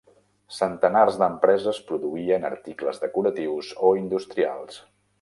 Centenars d'empreses produïen articles decoratius o industrials.